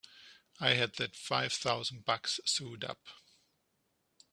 I had that five thousand bucks sewed up!